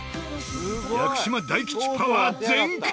屋久島大吉パワー全開！